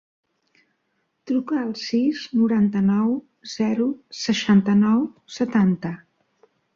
Truca al sis, noranta-nou, zero, seixanta-nou, setanta.